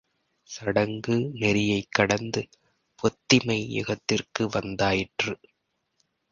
சடங்கு நெறியைக் கடந்து பத்திமை யுகத்திற்கு வந்தாயிற்று!